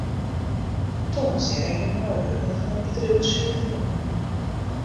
Tongersdei rekke in meiwurker fan it bedriuw swierferwûne.